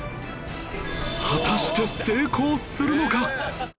果たして成功するのか？